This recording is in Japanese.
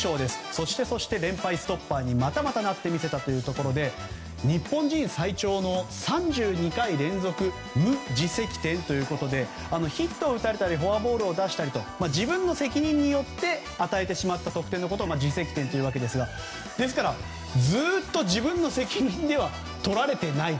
そしてそして、連敗ストッパーにまたまたなってみせたということで日本人最長の３２回連続無自責点ということでヒットを打たれたりフォアボールを出したりと自分の責任によって与えてしまった得点を自責点というわけですがですから、ずっと自分の責任では取られていない。